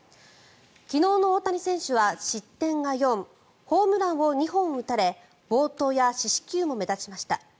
昨日の大谷選手は失点が４ホームランを２本打たれ暴投や四死球も目立ちました。